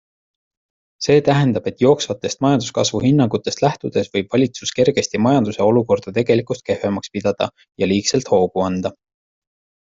See tähendab, et jooksvatest majanduskasvu hinnangutest lähtudes võib valitsus kergesti majanduse olukorda tegelikust kehvemaks pidada ja liigselt hoogu anda.